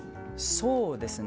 そうですね。